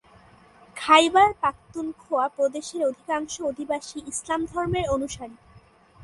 খাইবার পাখতুনখোয়া প্রদেশের অধিকাংশ অধিবাসী ইসলাম ধর্মের অনুসারী।